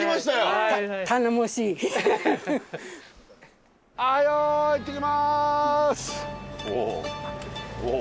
はいよ行ってきます。